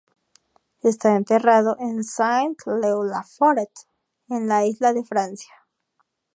Está enterrado en Saint-Leu-la-Forêt, en la Isla de Francia.